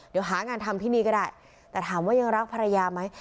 เดี๋ยวหางานทำที่นี่ก็ได้แต่ถามว่ายังรักภรรยาไหม